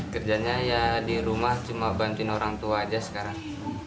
kerjanya ya di rumah cuma bantuin orang tua aja sekarang